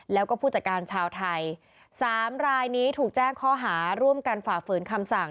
แล้วก็ผู้จัดการชาวไทยสามรายนี้ถูกแจ้งข้อหาร่วมกันฝ่าฝืนคำสั่ง